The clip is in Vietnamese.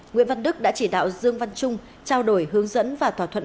nguyễn văn đức đã chỉ đạo dương văn trung trao đổi hướng dẫn và thỏa thuận